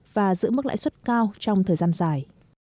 và giữ mức lãi suất cao trong thời gian dài